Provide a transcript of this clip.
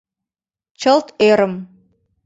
Чылт ӧрым.